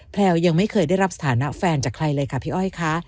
แพลวยังไม่เคยได้รับสถานะแฟนจากใครเลยค่ะพี่อ้อยคะ